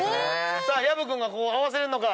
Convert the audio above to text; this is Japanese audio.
さあ薮君がここ合わせるのか。